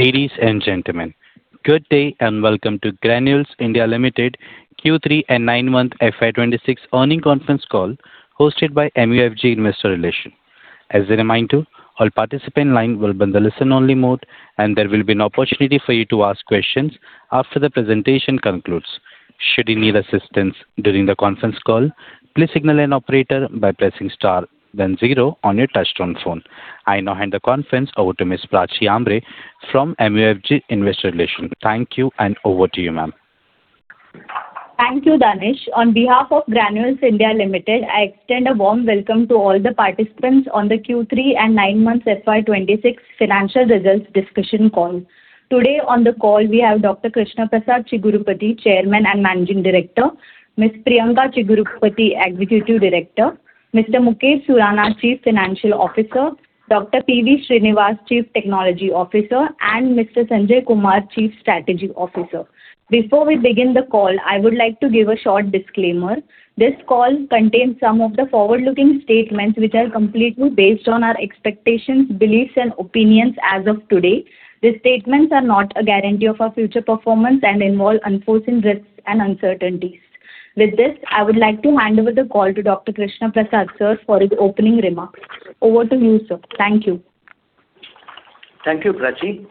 Ladies and gentlemen, good day and welcome to Granules India Limited Q3 and 9-month FY26 earnings conference call hosted by MUFG Investor Relations. As a reminder, all participants' lines will be on the listen-only mode, and there will be no opportunity for you to ask questions after the presentation concludes. Should you need assistance during the conference call, please signal an operator by pressing star then zero on your touch-tone phone. I now hand the conference over to Ms. Priyanka Chigurupati from Granules India Limited. Thank you, and over to you, ma'am. Thank you, Danish. On behalf of Granules India Limited, I extend a warm welcome to all the participants on the Q3 and 9-month FY26 financial results discussion call. Today on the call, we have Dr. Krishna Prasad Chigurupati, Chairman and Managing Director, Ms. Priyanka Chigurupati, Executive Director, Mr. Mukesh Surana, Chief Financial Officer, Dr. P.V. Srinivas, Chief Technology Officer, and Mr. Sanjay Kumar, Chief Strategy Officer. Before we begin the call, I would like to give a short disclaimer. This call contains some of the forward-looking statements which are completely based on our expectations, beliefs, and opinions as of today. These statements are not a guarantee of our future performance and involve unforeseen risks and uncertainties. With this, I would like to hand over the call to Dr. Krishna Prasad, sir, for his opening remarks. Over to you, sir. Thank you. Thank you, Prasad.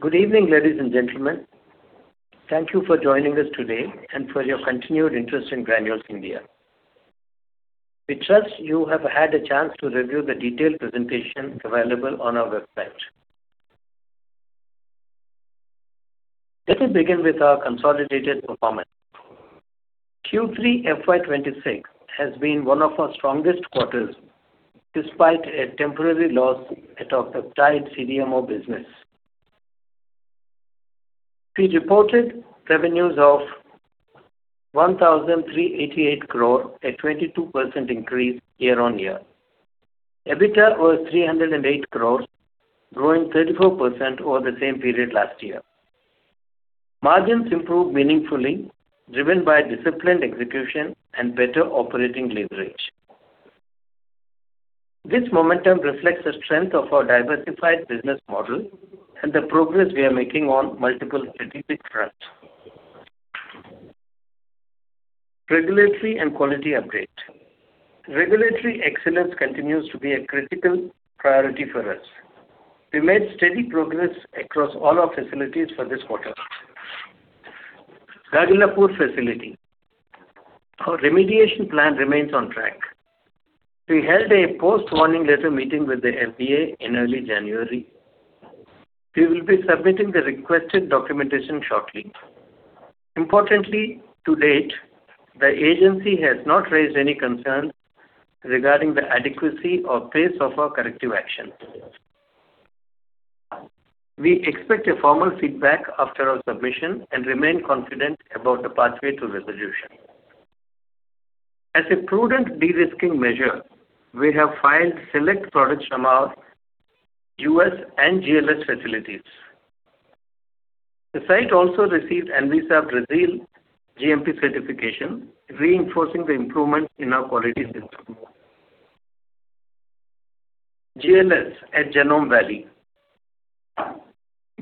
Good evening, ladies and gentlemen. Thank you for joining us today and for your continued interest in Granules India. We trust you have had a chance to review the detailed presentation available on our website. Let us begin with our consolidated performance. Q3 FY26 has been one of our strongest quarters despite a temporary loss of the IT CDMO business. We reported revenues of 1,388 crore, a 22% increase year-on-year. EBITDA was 308 crore, growing 34% over the same period last year. Margins improved meaningfully, driven by disciplined execution and better operating leverage. This momentum reflects the strength of our diversified business model and the progress we are making on multiple strategic fronts. Regulatory and Quality Update. Regulatory excellence continues to be a critical priority for us. We made steady progress across all our facilities for this quarter. Gagillapur Facility. Our remediation plan remains on track. We held a post-warning letter meeting with the FDA in early January. We will be submitting the requested documentation shortly. Importantly, to date, the agency has not raised any concerns regarding the adequacy or pace of our corrective action. We expect a formal feedback after our submission and remain confident about the pathway to resolution. As a prudent de-risking measure, we have filed select products from our US and GLS facilities. The site also received ANVISA Brazil GMP certification, reinforcing the improvements in our quality system. GLS at Genome Valley.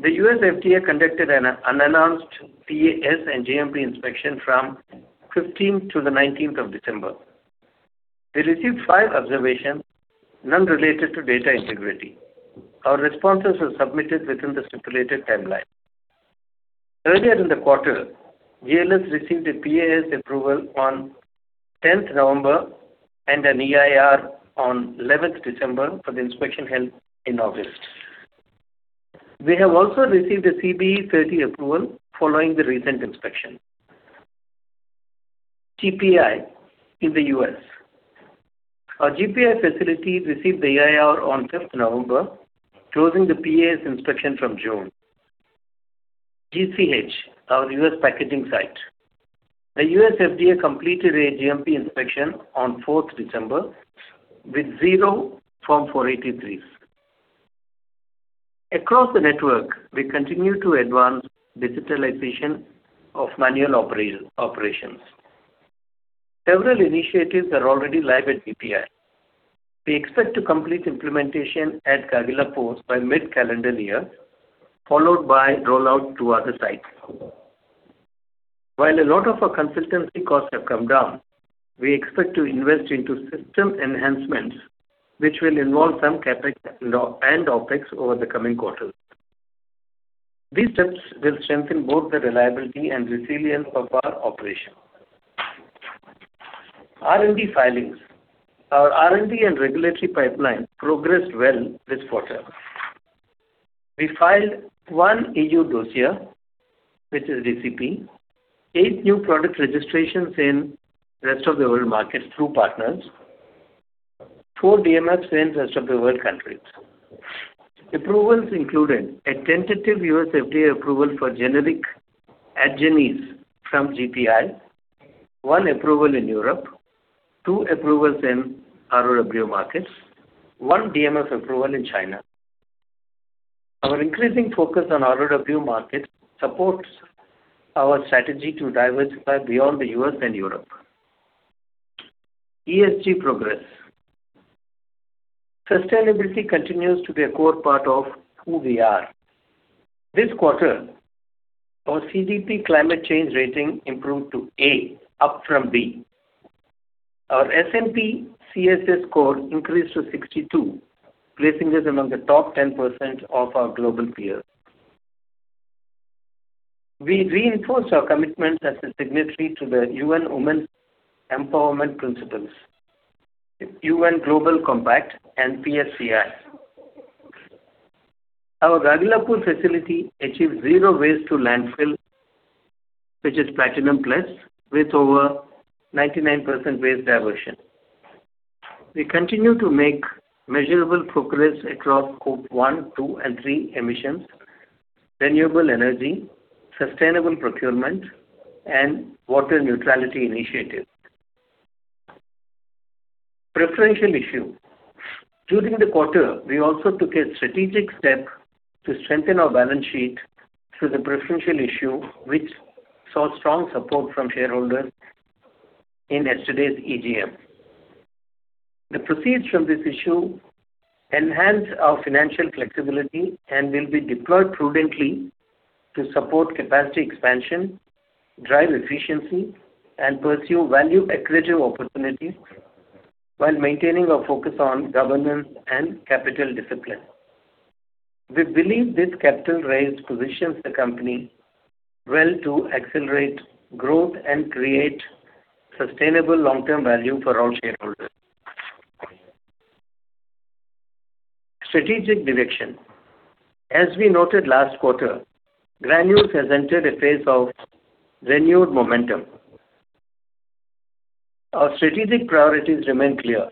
The US FDA conducted an unannounced PAI and GMP inspection from 15th to the 19th of December. We received 5 observations, none related to data integrity. Our responses were submitted within the stipulated timeline. Earlier in the quarter, GLS received a PAS approval on 10th November and an EIR on 11th December for the inspection held in August. We have also received a CBE 30 approval following the recent inspection. GPI in the U.S. Our GPI facility received the EIR on 5th November, closing the PAS inspection from June. GCH, our U.S. packaging site. The U.S. FDA completed a GMP inspection on 4th December with zero Form 483s. Across the network, we continue to advance digitalization of manual operations. Several initiatives are already live at GPI. We expect to complete implementation at Gagillapur by mid-calendar year, followed by rollout to other sites. While a lot of our consultancy costs have come down, we expect to invest into system enhancements, which will involve some CapEx and OpEx over the coming quarters. These steps will strengthen both the reliability and resilience of our operation. R&D filings. Our R&D and regulatory pipeline progressed well this quarter. We filed one EU dossier, which is DCP, eight new product registrations in the rest of the world markets through partners, four DMFs in the rest of the world countries. Approvals included a tentative U.S. FDA approval for generic Adzenys from GPI, one approval in Europe, two approvals in ROW markets, and one DMF approval in China. Our increasing focus on ROW markets supports our strategy to diversify beyond the U.S. and Europe. ESG progress. Sustainability continues to be a core part of who we are. This quarter, our CDP climate change rating improved to A, up from B. Our S&P CSA score increased to 62, placing us among the top 10% of our global peers. We reinforced our commitment as a signatory to the UN Women's Empowerment Principles, UN Global Compact, and PSCI. Our Gagillapur facility achieved zero waste to landfill, which is Platinum Plus, with over 99% waste diversion. We continue to make measurable progress across Scope 1, Scope 2, and Scope 3 emissions, renewable energy, sustainable procurement, and water neutrality initiatives. Preferential issue. During the quarter, we also took a strategic step to strengthen our balance sheet through the preferential issue, which saw strong support from shareholders in yesterday's EGM. The proceeds from this issue enhanced our financial flexibility and will be deployed prudently to support capacity expansion, drive efficiency, and pursue value-accretive opportunities while maintaining our focus on governance and capital discipline. We believe this capital-raised position positions the company well to accelerate growth and create sustainable long-term value for all shareholders. Strategic direction. As we noted last quarter, Granules has entered a phase of renewed momentum. Our strategic priorities remain clear: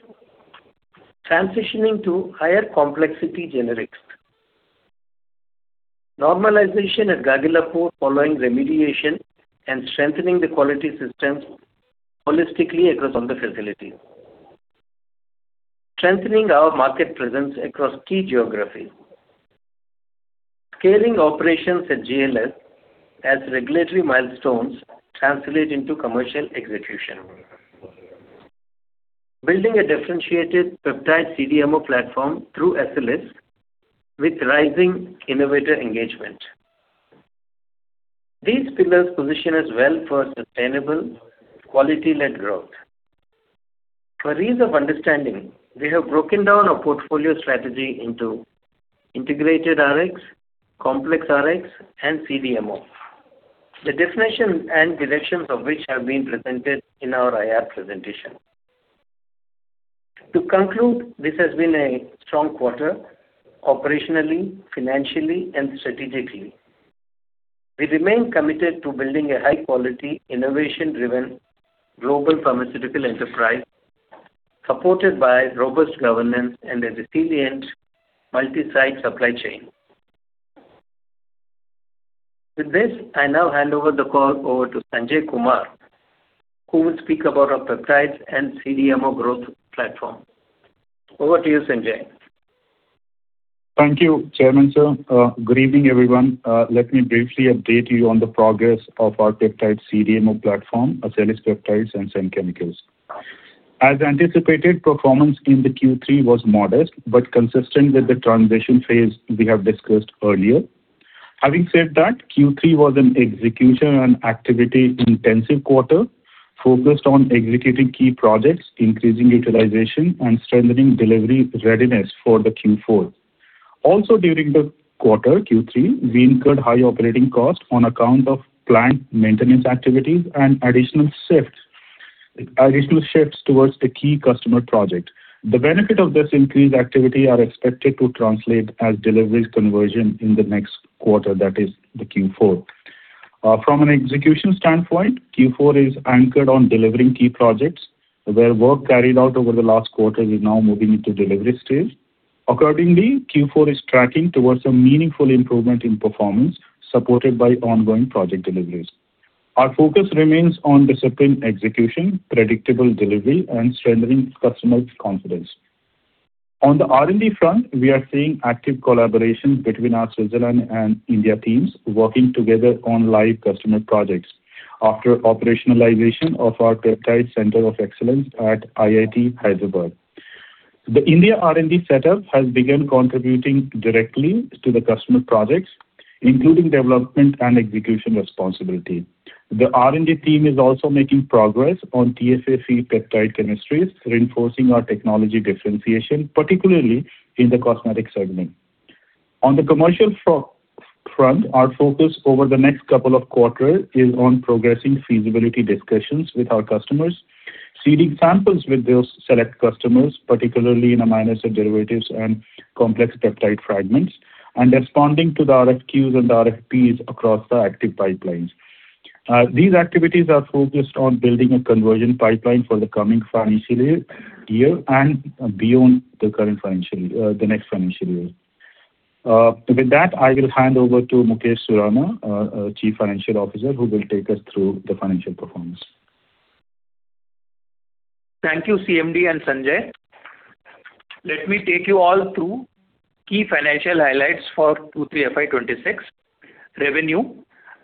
transitioning to higher complexity generics, normalization at Gagillapur following remediation, and strengthening the quality systems holistically across all the facilities, strengthening our market presence across key geographies, scaling operations at GLS as regulatory milestones translate into commercial execution, building a differentiated peptide CDMO platform through SLS with rising innovator engagement. These pillars position us well for sustainable, quality-led growth. For ease of understanding, we have broken down our portfolio strategy into integrated RX, complex RX, and CDMO, the definition and directions of which have been presented in our IR presentation. To conclude, this has been a strong quarter operationally, financially, and strategically. We remain committed to building a high-quality, innovation-driven global pharmaceutical enterprise supported by robust governance and a resilient multi-site supply chain. With this, I now hand over the call to Sanjay Kumar, who will speak about our peptides and CDMO growth platform. Over to you, Sanjay. Thank you, Chairman Sir. Good evening, everyone. Let me briefly update you on the progress of our peptide CDMO platform, SLS Peptides and Senn Chemicals. As anticipated, performance in the Q3 was modest but consistent with the transition phase we have discussed earlier. Having said that, Q3 was an execution and activity-intensive quarter focused on executing key projects, increasing utilization, and strengthening delivery readiness for the Q4. Also, during the quarter, Q3, we incurred high operating costs on account of planned maintenance activities and additional shifts towards the key customer project. The benefit of this increased activity is expected to translate as delivery conversion in the next quarter, that is, the Q4. From an execution standpoint, Q4 is anchored on delivering key projects, where work carried out over the last quarter is now moving into delivery stage. Accordingly, Q4 is tracking towards a meaningful improvement in performance supported by ongoing project deliveries. Our focus remains on discipline execution, predictable delivery, and strengthening customer confidence. On the R&D front, we are seeing active collaboration between our Switzerland and India teams working together on live customer projects after operationalization of our peptide center of excellence at IIT Hyderabad. The India R&D setup has begun contributing directly to the customer projects, including development and execution responsibility. The R&D team is also making progress on TFA-free peptide chemistries, reinforcing our technology differentiation, particularly in the cosmetic segment. On the commercial front, our focus over the next couple of quarters is on progressing feasibility discussions with our customers, seeding samples with those select customers, particularly in amino acid derivatives and complex peptide fragments, and responding to the RFQs and the RFPs across the active pipelines. These activities are focused on building a conversion pipeline for the coming financial year and beyond the next financial year. With that, I will hand over to Mukesh Surana, Chief Financial Officer, who will take us through the financial performance. Thank you, CMD and Sanjay. Let me take you all through key financial highlights for Q3 FY26. Revenue.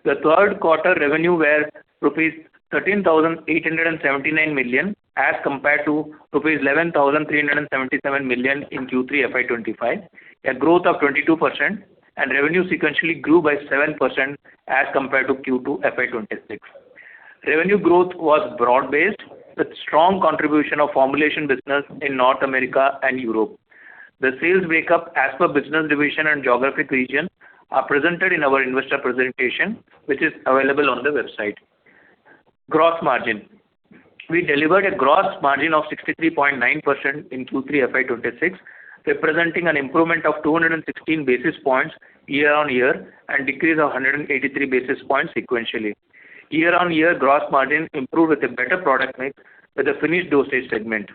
The third quarter revenue was rupees 13,879 million as compared to rupees 11,377 million in Q3 FY25. A growth of 22%, and revenue sequentially grew by 7% as compared to Q2 FY26. Revenue growth was broad-based with strong contribution of formulation business in North America and Europe. The sales breakup as per business division and geographic region are presented in our investor presentation, which is available on the website. Gross margin. We delivered a gross margin of 63.9% in Q3 FY26, representing an improvement of 216 basis points year-on-year and a decrease of 183 basis points sequentially. Year-on-year gross margin improved with a better product mix with the finished dosage segment.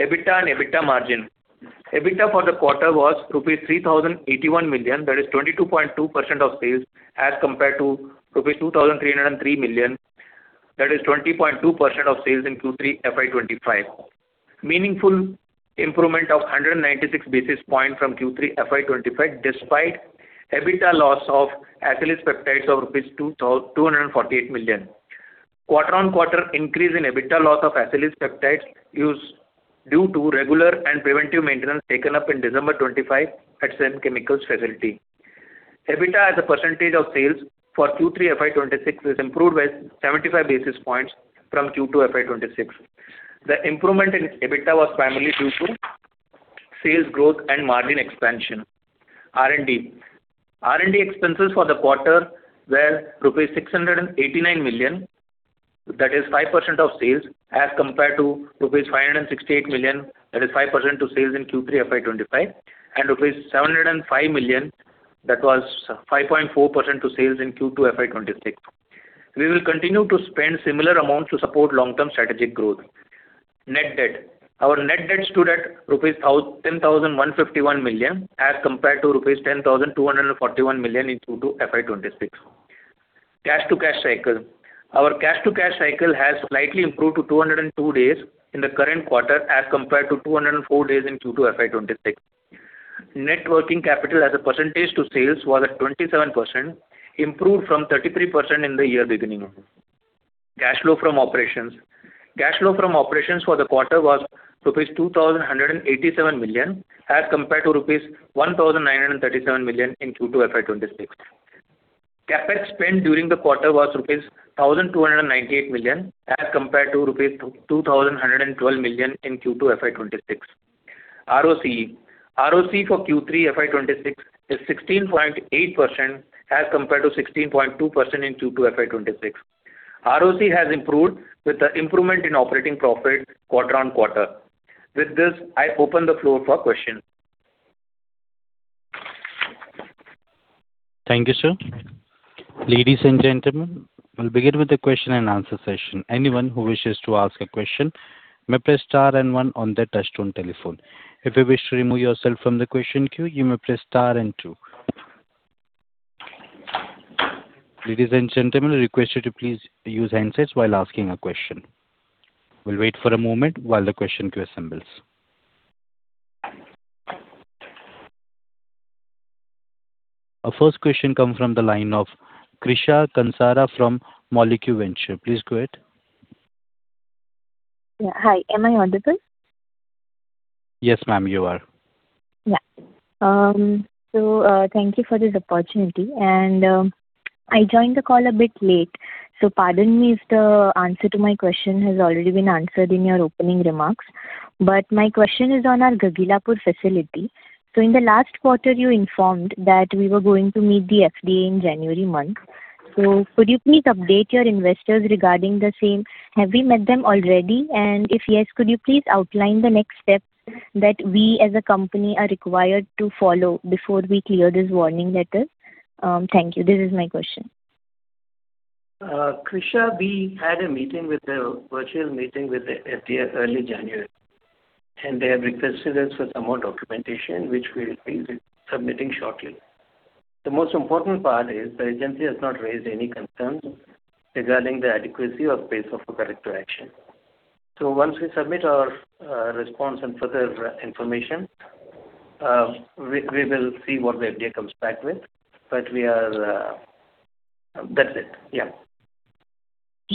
EBITDA and EBITDA margin. EBITDA for the quarter was 3,081 million rupees, that is 22.2% of sales as compared to 2,303 million rupees, that is 20.2% of sales in Q3 FY25. Meaningful improvement of 196 basis points from Q3 FY25 despite EBITDA loss of SLS peptides of rupees 248 million. Quarter-on-quarter increase in EBITDA loss of SLS peptides due to regular and preventive maintenance taken up in December 2025 at Senn Chemicals facility. EBITDA as a percentage of sales for Q3 FY26 is improved by 75 basis points from Q2 FY26. The improvement in EBITDA was primarily due to sales growth and margin expansion. R&D. R&D expenses for the quarter were 689 million, that is 5% of sales, as compared to 568 million, that is 5% of sales in Q3 FY25, and 705 million, that was 5.4% of sales in Q2 FY26. We will continue to spend similar amounts to support long-term strategic growth. Net debt. Our net debt stood at rupees 10,151 million as compared to rupees 10,241 million in Q2 FY26. Cash-to-cash cycle. Our cash-to-cash cycle has slightly improved to 202 days in the current quarter as compared to 204 days in Q2 FY26. Net working capital as a percentage of sales was at 27%, improved from 33% in the year beginning. Cash flow from operations. Cash flow from operations for the quarter was rupees 2,187 million as compared to rupees 1,937 million in Q2 FY26. CapEx spent during the quarter was rupees 1,298 million as compared to rupees 2,112 million in Q2 FY26. ROC. ROC for Q3 FY26 is 16.8% as compared to 16.2% in Q2 FY26. ROC has improved with the improvement in operating profit quarter-on-quarter. With this, I open the floor for questions. Thank you, sir. Ladies and gentlemen, we'll begin with the question and answer session. Anyone who wishes to ask a question may press star and one on their touch-tone telephone. If you wish to remove yourself from the question queue, you may press star and two. Ladies and gentlemen, I request you to please use handsets while asking a question. We'll wait for a moment while the question queue assembles. Our first question comes from the line of KV Krishna Prasad from Molecule Ventures. Please go ahead. Yeah. Hi. Am I audible? Yes, ma'am, you are. Yeah. So thank you for this opportunity. And I joined the call a bit late. So pardon me if the answer to my question has already been answered in your opening remarks. But my question is on our Gagillapur facility. So in the last quarter, you informed that we were going to meet the FDA in January month. So could you please update your investors regarding the same? Have we met them already? And if yes, could you please outline the next steps that we as a company are required to follow before we clear this warning letter? Thank you. This is my question. Krishna, we had a virtual meeting with the FDA early January, and they have requested us for some more documentation, which we'll be submitting shortly. The most important part is the agency has not raised any concerns regarding the adequacy of the basis of our corrective action. So once we submit our response and further information, we will see what the FDA comes back with. But that's it. Yeah.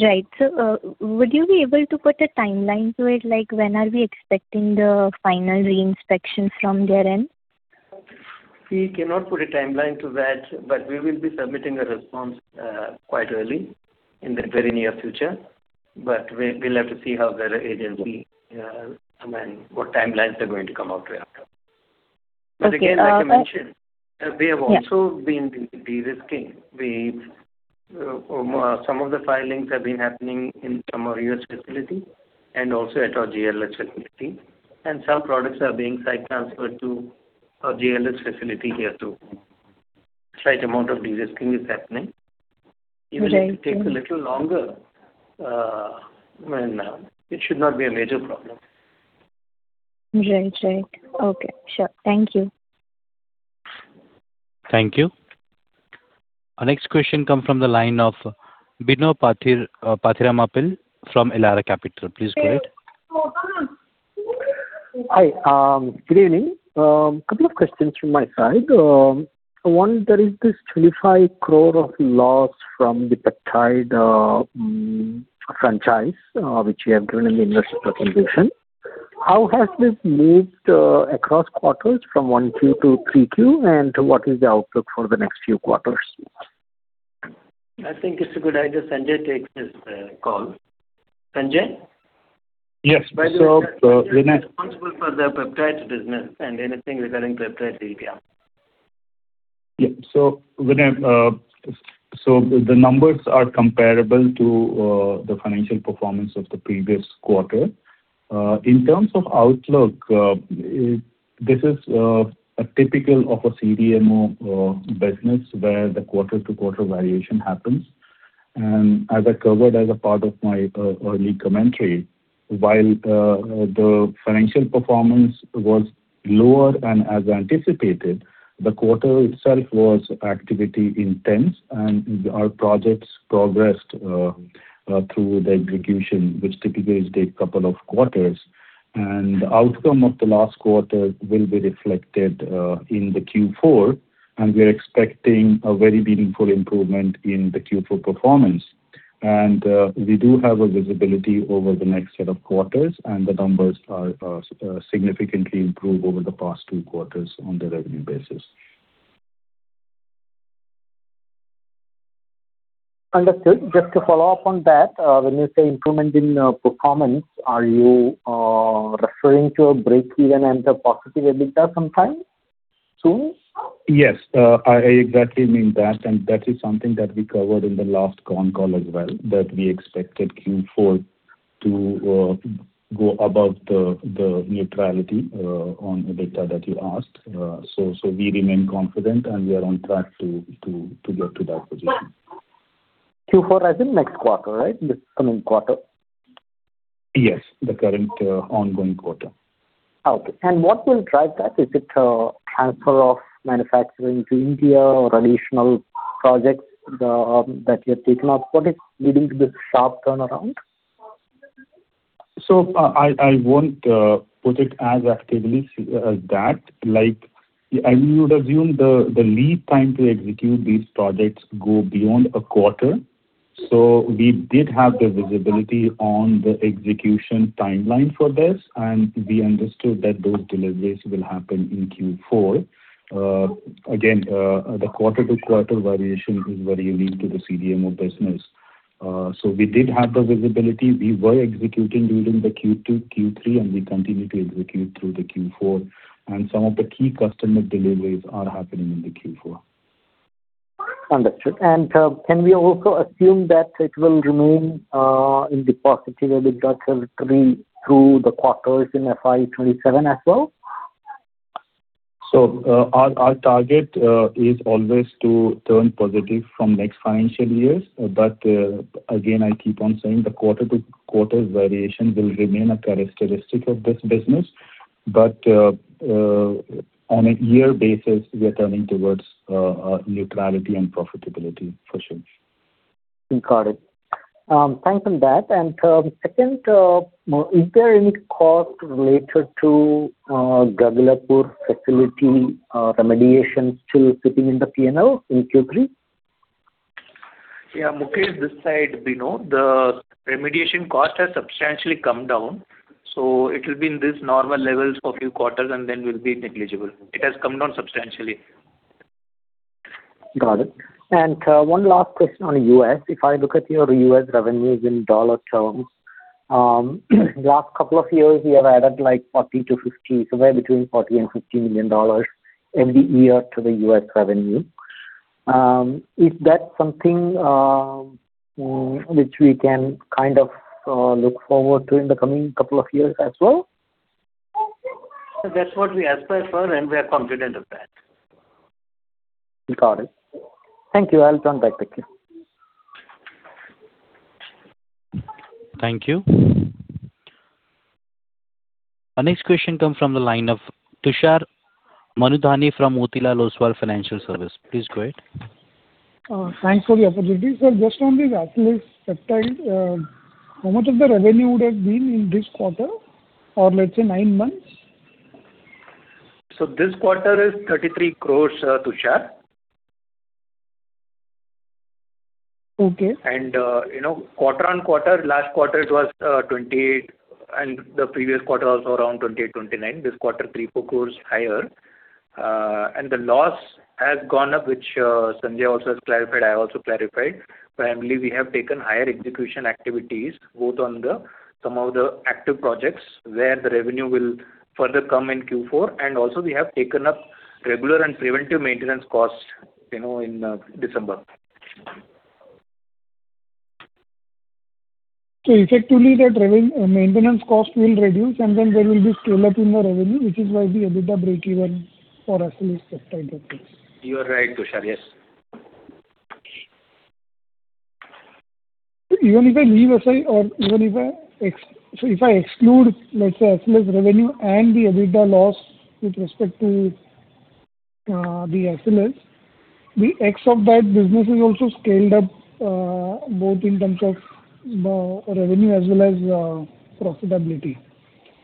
Right. So would you be able to put a timeline to it? When are we expecting the final reinspection from their end? We cannot put a timeline to that, but we will be submitting a response quite early in the very near future. But we'll have to see how the agency and what timelines they're going to come out with. But again, like I mentioned, we have also been de-risking. Some of the filings have been happening in some of our U.S. facilities and also at our GLS facility. And some products are being site-transferred to our GLS facility here too. A slight amount of de-risking is happening. Even if it takes a little longer, it should not be a major problem. Right. Right. Okay. Sure. Thank you. Thank you. Our next question comes from the line of Bino Pathiparampil from Elara Capital. Please go ahead. Hi. Good evening. A couple of questions from my side. One, there is this 25 crore of loss from the peptide franchise, which you have given in the investor presentation. How has this moved across quarters from 1Q to 3Q? And what is the outlook for the next few quarters? I think it's a good idea to send it to this call. Sanjay? Yes. So we're not responsible for the peptide business and anything regarding peptide media. Yeah. So the numbers are comparable to the financial performance of the previous quarter. In terms of outlook, this is a typical of a CDMO business where the quarter-to-quarter variation happens. As I covered as a part of my early commentary, while the financial performance was lower than as anticipated, the quarter itself was activity-intense, and our projects progressed through the execution, which typically is a couple of quarters. The outcome of the last quarter will be reflected in the Q4. We're expecting a very meaningful improvement in the Q4 performance. We do have visibility over the next set of quarters, and the numbers are significantly improved over the past two quarters on the revenue basis. Understood. Just to follow up on that, when you say improvement in performance, are you referring to a break-even and a positive EBITDA sometime soon? Yes. I exactly mean that. That is something that we covered in the last con call as well, that we expected Q4 to go above the neutrality on EBITDA that you asked. We remain confident, and we are on track to get to that position. Q4 as in next quarter, right? This coming quarter? Yes. The current ongoing quarter. Okay. And what will drive that? Is it transfer of manufacturing to India or additional projects that you have taken up? What is leading to this sharp turnaround? So I won't put it as actively as that. I would assume the lead time to execute these projects goes beyond a quarter. So we did have the visibility on the execution timeline for this, and we understood that those deliveries will happen in Q4. Again, the quarter-to-quarter variation is very unique to the CDMO business. So we did have the visibility. We were executing during the Q2, Q3, and we continue to execute through the Q4. And some of the key customer deliveries are happening in the Q4. Understood. And can we also assume that it will remain in the positive EBITDA territory through the quarters in FY27 as well? Our target is always to turn positive from next financial years. But again, I keep on saying the quarter-to-quarter variation will remain a characteristic of this business. But on a year basis, we are turning towards neutrality and profitability, for sure. Recorded. Thanks on that. And second, is there any cost related to Gagillapur facility remediation still sitting in the P&L in Q3? Yeah. Mukesh, this side, Bino, the remediation cost has substantially come down. So it will be in these normal levels for a few quarters, and then we'll be negligible. It has come down substantially. Got it. One last question on U.S. If I look at your U.S. revenues in dollar terms, the last couple of years, we have added like $40-$50, somewhere between $40 million and $50 million every year to the U.S. revenue. Is that something which we can kind of look forward to in the coming couple of years as well? That's what we aspire for, and we are confident of that. Got it. Thank you. I'll turn back. Thank you. Thank you. Our next question comes from the line of Tushar Manudhane from Motilal Oswal Financial Services. Please go ahead. Thanks for the opportunity. Sir, just on the peptide, how much of the revenue would have been in this quarter or, let's say, nine months? This quarter is INR 33 crore, Tushar. Quarter-on-quarter, last quarter, it was 28, and the previous quarter was around 28, 29. This quarter, 34 crore higher. The loss has gone up, which Sanjay also has clarified. I also clarified. Primarily, we have taken higher execution activities, both on some of the active projects where the revenue will further come in Q4. Also, we have taken up regular and preventive maintenance costs in December. So you said to me that maintenance cost will reduce, and then there will be scale-up in the revenue, which is why the EBITDA break-even for SLS Peptides records. You are right, Tushar. Yes. Even if I leave aside, or even if I exclude, let's say, SLS revenue and the EBITDA loss with respect to the SLS, the ex of that business is also scaled up both in terms of revenue as well as profitability.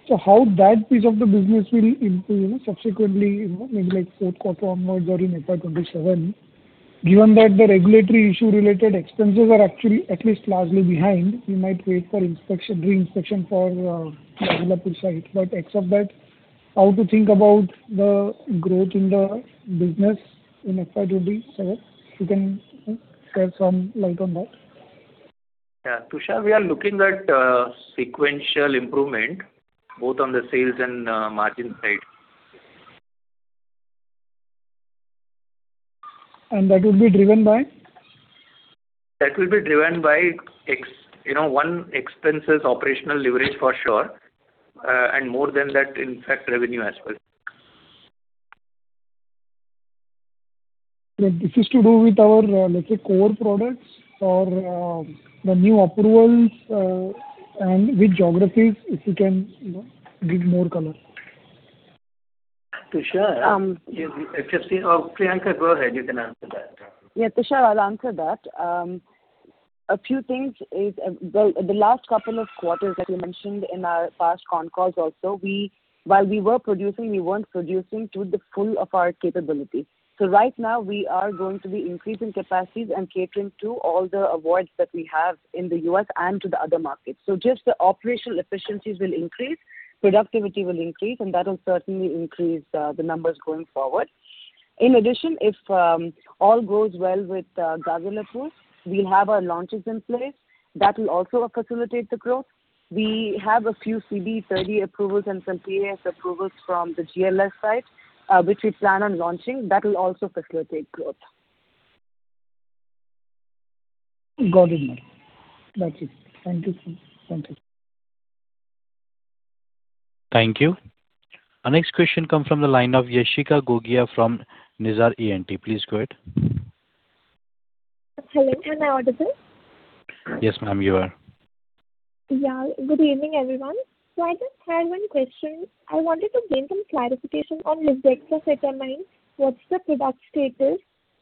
So how that piece of the business will improve subsequently, maybe like fourth quarter onwards or in FY27, given that the regulatory issue-related expenses are actually at least largely behind, we might wait for reinspection for Gagillapur side. But ex of that, how to think about the growth in the business in FY27? You can shed some light on that. Yeah. Tushar, we are looking at sequential improvement, both on the sales and margin side. That will be driven by? That will be driven by OpEx, operational leverage, for sure. More than that, in fact, revenue as well. This is to do with our, let's say, core products or the new approvals and which geographies, if you can give more color? Tushar, if you see, oh, Priyanka, go ahead. You can answer that. Yeah. Tushar, I'll answer that. A few things. The last couple of quarters that you mentioned in our past con calls also, while we were producing, we weren't producing to the full of our capability. So right now, we are going to be increasing capacities and catering to all the orders that we have in the US and to the other markets. So just the operational efficiencies will increase, productivity will increase, and that will certainly increase the numbers going forward. In addition, if all goes well with Gagillapur, we'll have our launches in place. That will also facilitate the growth. We have a few CBE 30 approvals and some PAS approvals from the GLS side, which we plan on launching. That will also facilitate growth. Got it, ma'am. That's it. Thank you. Thank you. Thank you. Our next question comes from the line of Yashika Gogia from Nuvama Institutional Equities. Please go ahead. Hello. Can I audible? Yes, ma'am, you are. Yeah. Good evening, everyone. So I just had one question. I wanted to gain some clarification on Lisdexamfetamine what's the product status.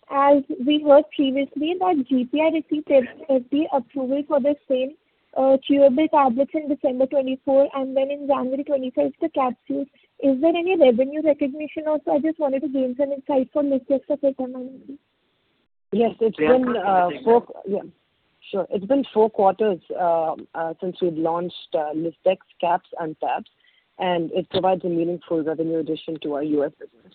As we heard previously, that GPI received FDA approval for the same chewable tablets in December 2024, and then in January 2025, the capsules. Is there any revenue recognition also? I just wanted to gain some insight for Lisdexamfetamine. Yes. It's been four quarters since we've launched Lisdex caps and tabs, and it provides a meaningful revenue addition to our U.S. business.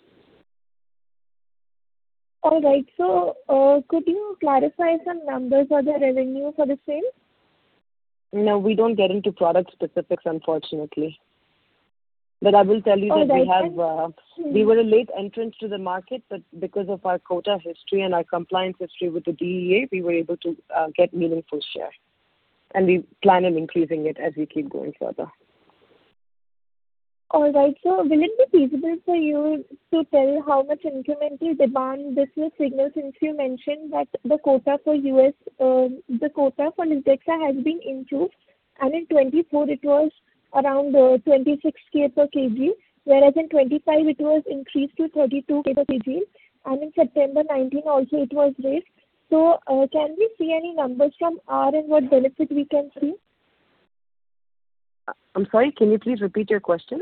All right. Could you clarify some numbers for the revenue for the sales? No, we don't get into product specifics, unfortunately. But I will tell you that we have, we were a late entrant to the market, but because of our quota history and our compliance history with the DEA, we were able to get meaningful share. And we plan on increasing it as we keep going further. All right. So will it be feasible for you to tell how much incremental demand this will signal since you mentioned that the quota for US for lisdexamfetamine has been improved? And in 2024, it was around 26,000 kg, whereas in 2025, it was increased to 32,000 kg. And in September 2019, also, it was raised. So can we see any numbers from R and what benefit we can see? I'm sorry. Can you please repeat your question?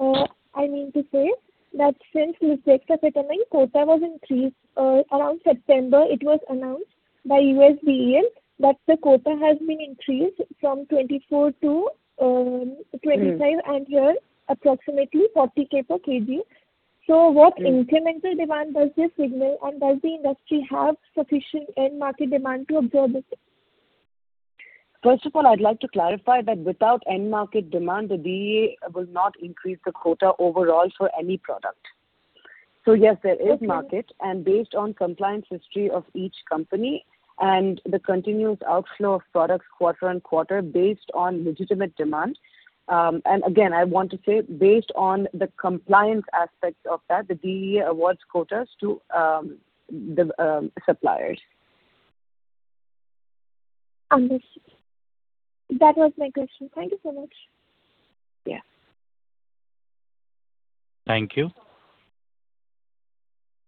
I mean to say that since Lisdexamfetamine quota was increased around September, it was announced by DEA that the quota has been increased from 24 to 25, and here approximately 40,000 per kg. So what incremental demand does this signal, and does the industry have sufficient end-market demand to absorb this? First of all, I'd like to clarify that without end-market demand, the DEA will not increase the quota overall for any product. So yes, there is market. And based on compliance history of each company and the continuous outflow of products quarter on quarter based on legitimate demand, and again, I want to say based on the compliance aspect of that, the DEA awards quotas to the suppliers. Understood. That was my question. Thank you so much. Yeah. Thank you.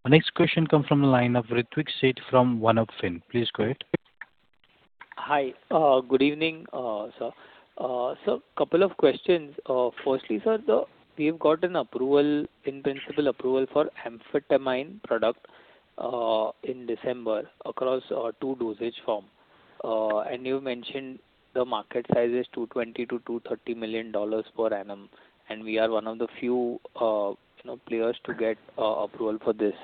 Our next question comes from the line of Ritwik Sheth from One Up Financial. Please go ahead. Hi. Good evening, sir. Sir, a couple of questions. Firstly, sir, we've got an approval, in principle, approval for amphetamine product in December across two dosage forms. You mentioned the market size is $220 million-$230 million per annum, and we are one of the few players to get approval for this.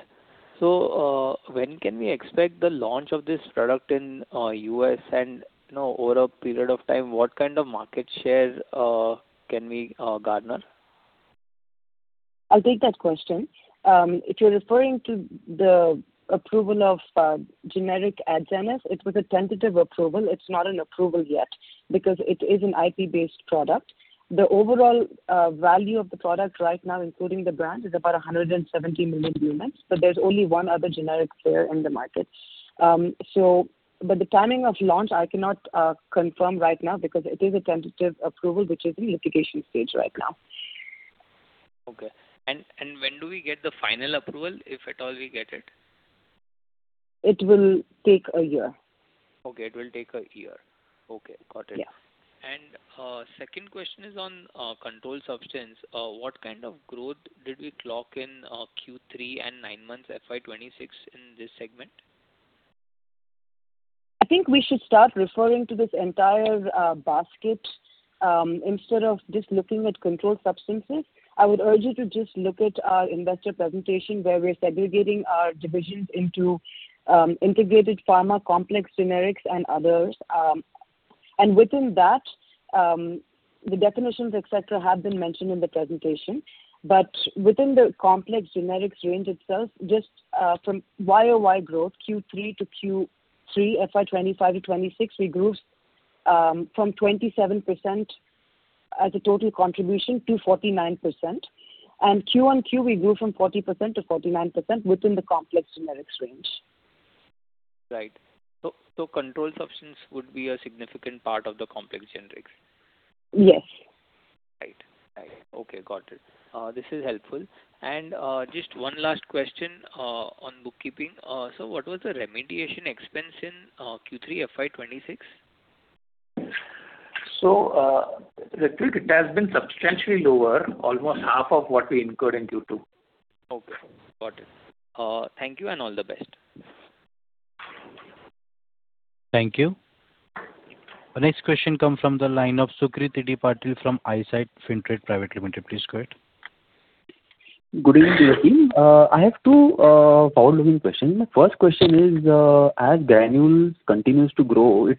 When can we expect the launch of this product in the U.S.? Over a period of time, what kind of market share can we garner? I'll take that question. If you're referring to the approval of generic Adzenys, it was a tentative approval. It's not an approval yet because it is an IP-based product. The overall value of the product right now, including the brand, is about $170 million units, but there's only one other generic share in the market. But the timing of launch, I cannot confirm right now because it is a tentative approval, which is in litigation stage right now. Okay. When do we get the final approval, if at all we get it? It will take a year. Okay. It will take a year. Okay. Got it. Yeah. Second question is on controlled substance. What kind of growth did we clock in Q3 and nine months FY 2026 in this segment? I think we should start referring to this entire basket instead of just looking at control substances. I would urge you to just look at our investor presentation where we're segregating our divisions into integrated pharma complex generics and others. Within that, the definitions, etc., have been mentioned in the presentation. Within the complex generics range itself, just from year-over-year growth, Q3 to Q3, FY 2025 to 2026, we grew from 27% as a total contribution to 49%. Quarter-over-quarter, we grew from 40% to 49% within the complex generics range. Right. So controlled substances would be a significant part of the complex generics? Yes. Right. Right. Okay. Got it. This is helpful. Just one last question on bookkeeping. So what was the remediation expense in Q3 FY26? Ritwik, it has been substantially lower, almost half of what we incurred in Q2. Okay. Got it. Thank you and all the best. Thank you. Our next question comes from the line of Sucrit Patil from Eyesight Fintrade Private Limited. Please go ahead. Good evening, Ritwik. I have two forward-looking questions. My first question is, as Granules continues to grow,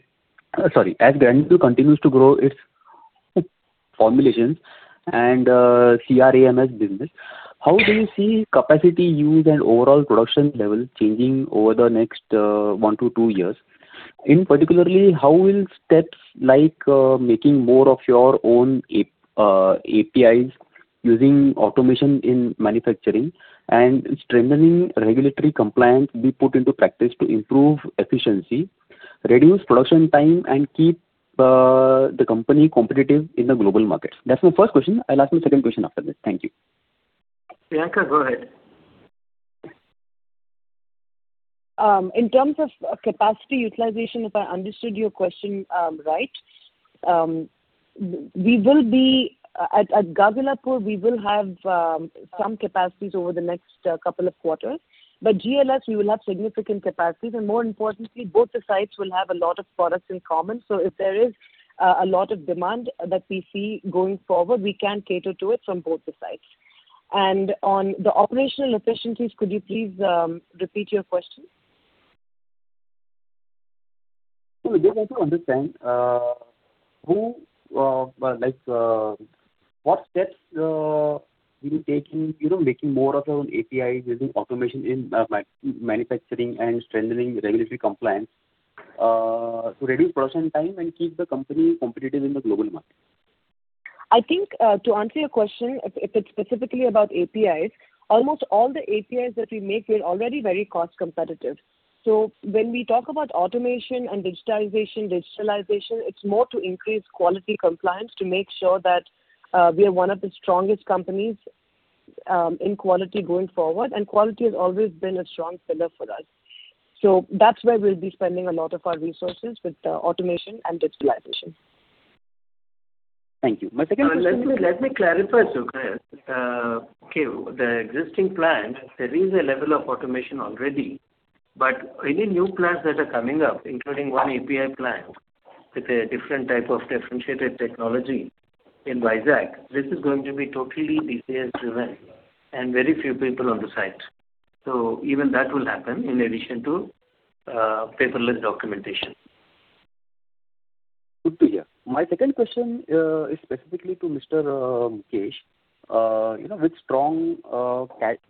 sorry, as Granules continues to grow, its formulations and CRAMS business. How do you see capacity use and overall production level changing over the next 1 to 2 years? In particular, how will steps like making more of your own APIs using automation in manufacturing and strengthening regulatory compliance be put into practice to improve efficiency, reduce production time, and keep the company competitive in the global markets? That's my first question. I'll ask my second question after this. Thank you. Priyanka, go ahead. In terms of capacity utilization, if I understood your question right, we will be at Gagillapur, we will have some capacities over the next couple of quarters. But GLS, we will have significant capacities. And more importantly, both the sites will have a lot of products in common. So if there is a lot of demand that we see going forward, we can cater to it from both the sites. And on the operational efficiencies, could you please repeat your question? I just want to understand what steps will be taken making more of your own APIs using automation in manufacturing and strengthening regulatory compliance to reduce production time and keep the company competitive in the global market? I think to answer your question, if it's specifically about APIs, almost all the APIs that we make are already very cost competitive. So when we talk about automation and digitization, digitalization, it's more to increase quality compliance to make sure that we are one of the strongest companies in quality going forward. And quality has always been a strong pillar for us. So that's where we'll be spending a lot of our resources with automation and digitalization. Thank you. My second question. Let me clarify, Sukrit. Okay. The existing plant, there is a level of automation already. But any new plants that are coming up, including one API plant with a different type of differentiated technology in Vizag, this is going to be totally DCS-driven and very few people on the site. So even that will happen in addition to paperless documentation. Good to hear. My second question is specifically to Mr. Mukesh. With strong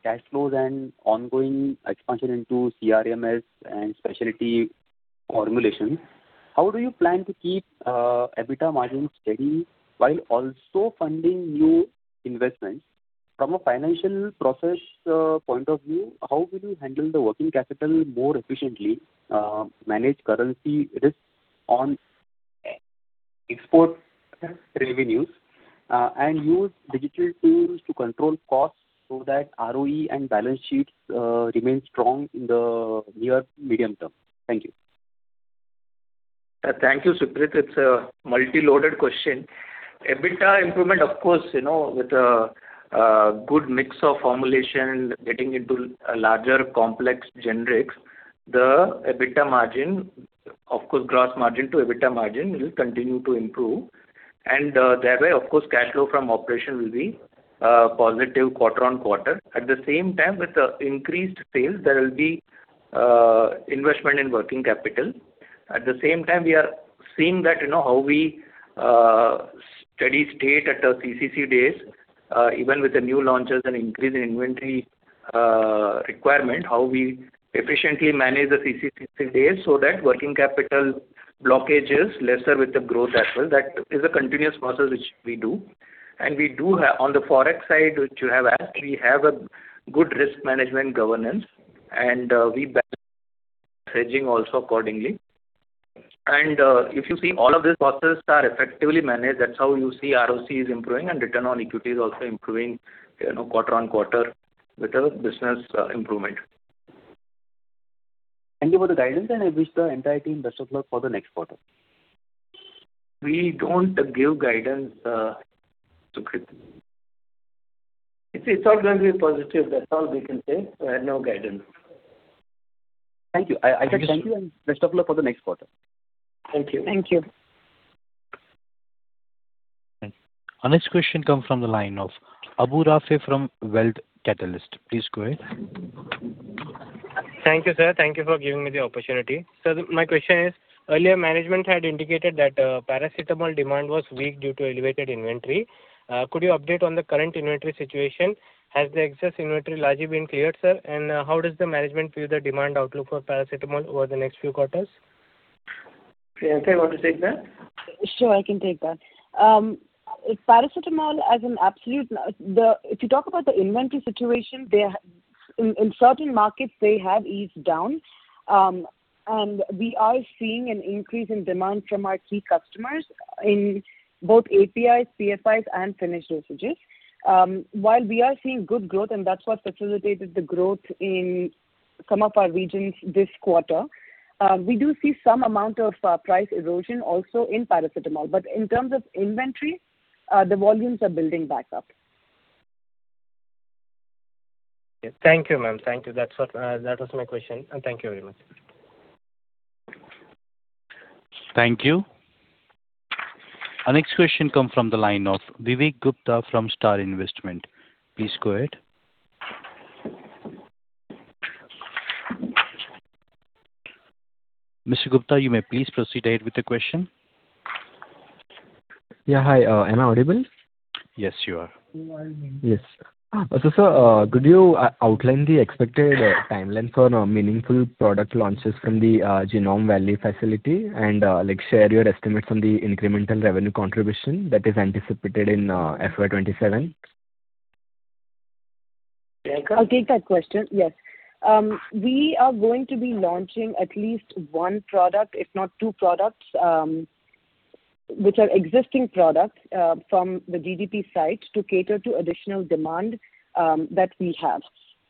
cash flows and ongoing expansion into CRAMS and specialty formulations, how do you plan to keep EBITDA margins steady while also funding new investments? From a financial process point of view, how will you handle the working capital more efficiently, manage currency risk on export revenues, and use digital tools to control costs so that ROE and balance sheets remain strong in the near-medium term? Thank you. Thank you, Sukrit. It's a multi-loaded question. EBITDA improvement, of course, with a good mix of formulation, getting into larger complex generics, the EBITDA margin, of course, gross margin to EBITDA margin will continue to improve. And that way, of course, cash flow from operation will be positive quarter on quarter. At the same time, with the increased sales, there will be investment in working capital. At the same time, we are seeing that how we steady state at the CCC days, even with the new launches and increase in inventory requirement, how we efficiently manage the CCC days so that working capital blockage is lesser with the growth as well. That is a continuous process which we do. And we do have on the forex side, which you have asked, we have a good risk management governance, and we balance hedging also accordingly. If you see all of these processes are effectively managed, that's how you see ROC is improving and return on equity is also improving quarter-over-quarter with the business improvement. Thank you for the guidance, and I wish the entire team best of luck for the next quarter. We don't give guidance, Sukrit. It's all going to be positive. That's all we can say. We had no guidance. Thank you. I just. Thank you and best of luck for the next quarter. Thank you. Thank you. Thank you. Our next question comes from the line of Abu Rafi from Wealth Catalyst. Please go ahead. Thank you, sir. Thank you for giving me the opportunity. Sir, my question is, earlier management had indicated that paracetamol demand was weak due to elevated inventory. Could you update on the current inventory situation? Has the excess inventory largely been cleared, sir? How does the management view the demand outlook for paracetamol over the next few quarters? Priyanka, you want to take that? Sure, I can take that. Paracetamol as an absolute, if you talk about the inventory situation, in certain markets, they have eased down. And we are seeing an increase in demand from our key customers in both APIs, PFIs, and finished dosages. While we are seeing good growth, and that's what facilitated the growth in some of our regions this quarter, we do see some amount of price erosion also in paracetamol. But in terms of inventory, the volumes are building back up. Thank you, ma'am. Thank you. That was my question. Thank you very much. Thank you. Our next question comes from the line of Vivek Gupta from Star Investment. Please go ahead. Mr. Gupta, you may please proceed ahead with the question. Yeah. Hi. Am I audible? Yes, you are. Yes. Sir, could you outline the expected timeline for meaningful product launches from the Genome Valley facility and share your estimates on the incremental revenue contribution that is anticipated in FY27? I'll take that question. Yes. We are going to be launching at least one product, if not two products, which are existing products from the GGP site to cater to additional demand that we have.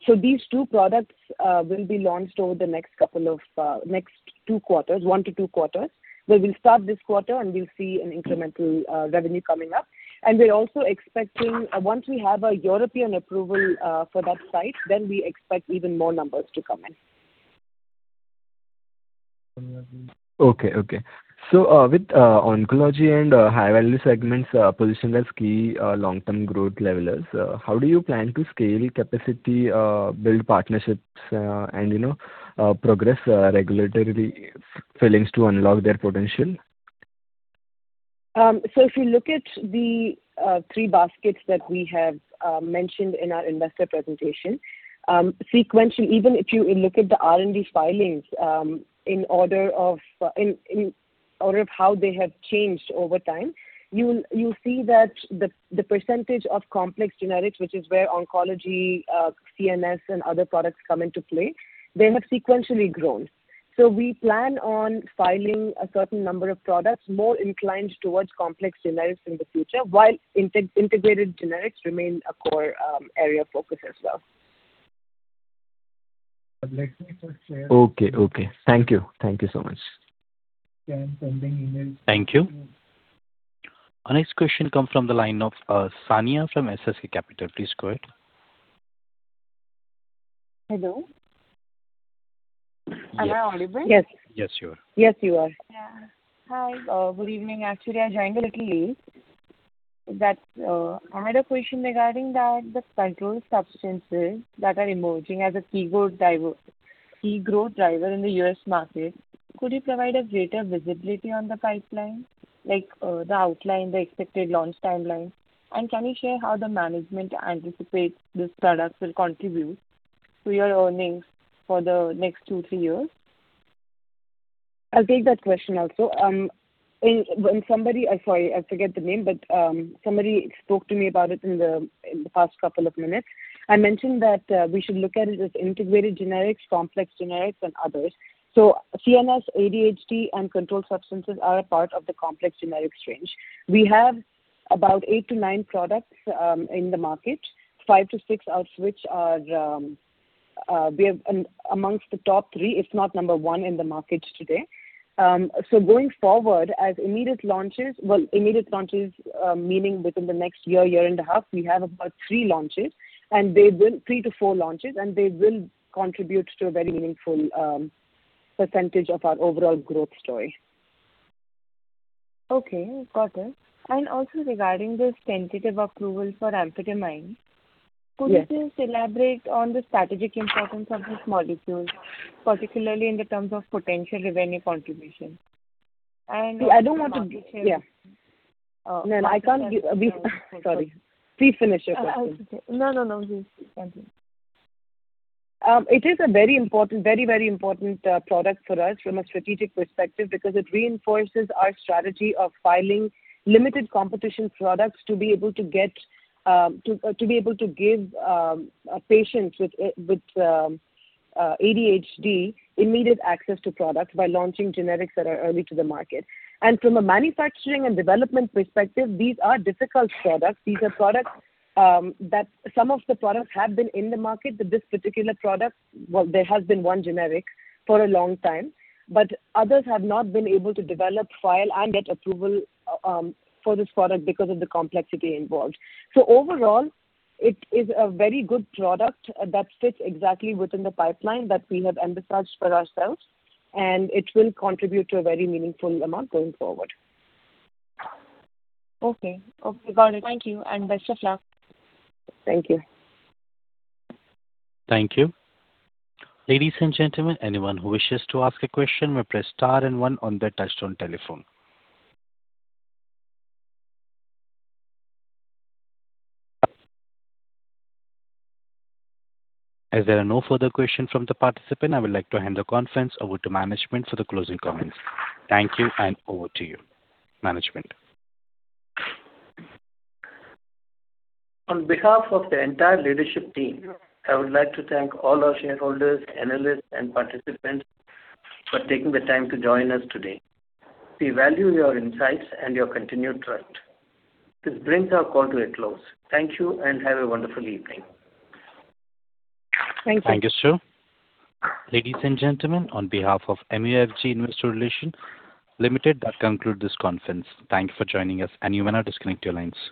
So these two products will be launched over the next couple of next two quarters, one to two quarters. But we'll start this quarter, and we'll see an incremental revenue coming up. And we're also expecting, once we have a European approval for that site, then we expect even more numbers to come in. With oncology and high-value segments positioned as key long-term growth levelers, how do you plan to scale capacity, build partnerships and progress regulatory filings to unlock their potential? So if you look at the three baskets that we have mentioned in our investor presentation, sequentially, even if you look at the R&D filings in order of how they have changed over time, you'll see that the percentage of complex generics, which is where oncology, CNS, and other products come into play, they have sequentially grown. So we plan on filing a certain number of products more inclined towards complex generics in the future, while integrated generics remain a core area of focus as well. Okay. Okay. Thank you. Thank you so much. Thank you. Our next question comes from the line of Sania from SSK Capital. Please go ahead. Hello. Am I audible? Yes. Yes, you are. Yes, you are. Yeah. Hi. Good evening. Actually, I joined a little late. I had a question regarding the controlled substances that are emerging as a key growth driver in the US market. Could you provide a greater visibility on the pipeline, the outline, the expected launch timeline? And can you share how the management anticipates this product will contribute to your earnings for the next 2-3 years? I'll take that question also. When somebody, sorry, I forget the name, but somebody spoke to me about it in the past couple of minutes. I mentioned that we should look at it as integrated generics, complex generics, and others. So CNS, ADHD, and controlled substances are a part of the complex generics range. We have about 8-9 products in the market, 5-6 of which are amongst the top three, if not number one in the market today. So going forward, as immediate launches, well, immediate launches meaning within the next year, year and a half, we have about 3 launches, and 3-4 launches, and they will contribute to a very meaningful percentage of our overall growth story. Okay. Got it. Also regarding the tentative approval for amphetamine, could you just elaborate on the strategic importance of this molecule, particularly in terms of potential revenue contribution? Yeah. I don't want to. Yeah. No, no. I can't give. Sorry. Please finish your question. No, no, no. Please continue. It is a very important, very, very important product for us from a strategic perspective because it reinforces our strategy of filing limited competition products to be able to get - to be able to give patients with ADHD immediate access to products by launching generics that are early to the market. And from a manufacturing and development perspective, these are difficult products. These are products that some of the products have been in the market, but this particular product - well, there has been one generic for a long time, but others have not been able to develop, file, and get approval for this product because of the complexity involved. So overall, it is a very good product that fits exactly within the pipeline that we have emphasized for ourselves, and it will contribute to a very meaningful amount going forward. Okay. Okay. Got it. Thank you. And best of luck. Thank you. Thank you. Ladies and gentlemen, anyone who wishes to ask a question may press star and one on their touch-tone telephone. As there are no further questions from the participants, I would like to hand the conference over to management for the closing comments. Thank you, and over to you, management. On behalf of the entire leadership team, I would like to thank all our shareholders, analysts, and participants for taking the time to join us today. We value your insights and your continued trust. This brings our call to a close. Thank you, and have a wonderful evening. Thank you. Thank you, sir. Ladies and gentlemen, on behalf of MUFG Investor Relations Limited, that concludes this conference. Thank you for joining us, and you may now disconnect your lines.